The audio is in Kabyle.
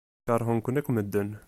Keṛhen-ken akk medden.